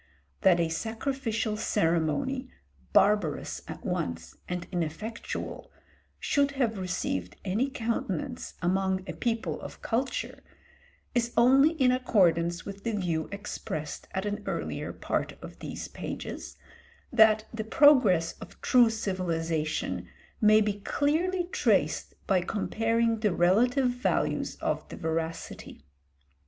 That a sacrificial ceremony, barbarous at once and ineffectual, should have received any countenance among a people of culture, is only in accordance with the view expressed at an earlier part of these pages, that the progress of true civilisation may be clearly traced by comparing the relative values of the veracity.